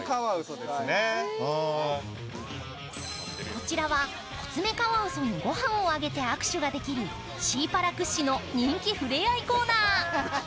こちらは、コツメカワウソにご飯をあげて握手ができるシーパラ屈指の人気ふれあいコーナー。